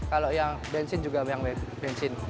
kalau yang bensin juga yang bensin